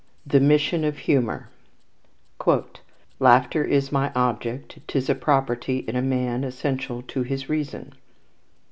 The Mission of Humour "Laughter is my object: 'tis a property In man, essential to his reason."